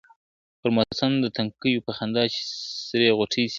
پر موسم د توتکیو په خندا چي سرې غوټۍ سي ,